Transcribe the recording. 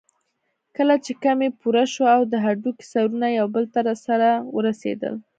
کله چې کمى پوره شو او د هډوکي سرونه يو بل ته سره ورسېدل.